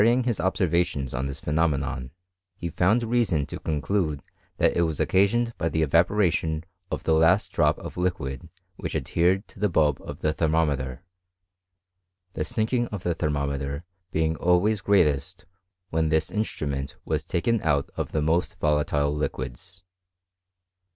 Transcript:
ing his observations on this phenomenon, he found i reason to conclude that it was occasioned by the evati'. Deration of the last drop of liquid which adhered totiiii . bulb of the thermometer ; the sinking of the thermome*; ter being always greatest when this instrument wftT taken but of the most volatile liquids.